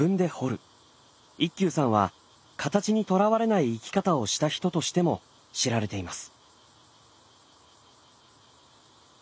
一休さんは形にとらわれない生き方をした人としても知られています。